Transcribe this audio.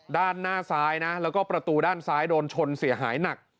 ด้านหน้าซ้ายนะแล้วก็ประตูด้านซ้ายโดนชนเสียหายหนัก